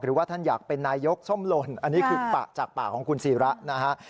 หรือว่าท่านอยากเป็นนายกส้มหล่นอันนี้คือปากจากปากของคุณศิระนะฮะ